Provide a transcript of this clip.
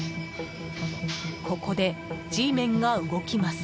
ここでＧメンが動きます。